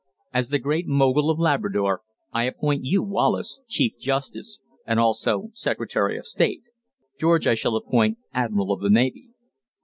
As the Great Mogul of Labrador, I appoint you, Wallace, Chief Justice and also Secretary of State. George I shall appoint Admiral of the Navy."